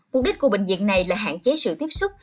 mục đích của bệnh viện này là hạn chế sự tiếp xúc